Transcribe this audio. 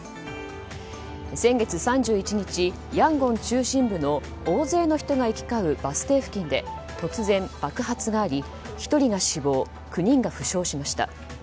先月３１日、ヤンゴン中心部の大勢の人が行き交うバス停付近で突然、爆発があり１人が死亡９人が負傷しました。